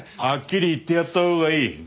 はっきり言ってやった方がいい。